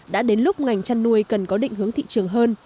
đã đến lúc ngành chăn nuôi cần có định hướng thị trường hơn